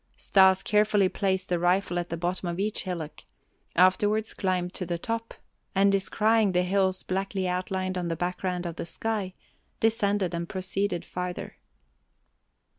Stas carefully placed the rifle at the bottom of each hillock; afterwards climbed to the top, and descrying the hills blackly outlined on the background of the sky, descended and proceeded farther.